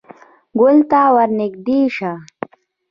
_ګول ته ور نږدې شه.